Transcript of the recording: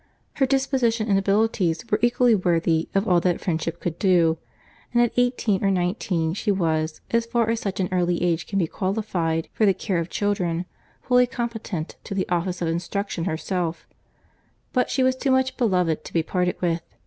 Her disposition and abilities were equally worthy of all that friendship could do; and at eighteen or nineteen she was, as far as such an early age can be qualified for the care of children, fully competent to the office of instruction herself; but she was too much beloved to be parted with.